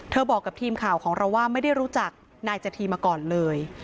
บอกกับทีมข่าวของเราว่าไม่ได้รู้จักนายจธีมาก่อนเลย